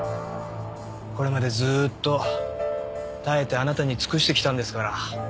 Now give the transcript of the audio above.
これまでずーっと耐えてあなたに尽くしてきたんですから。